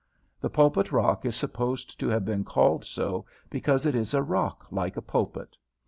The pulpit rock is supposed to have been called so because it is a rock like a pulpit.